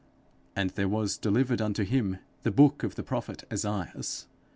And there was delivered unto him the book of the prophet Esaias.